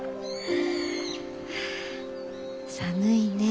寒いねえ。